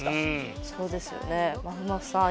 まふまふさん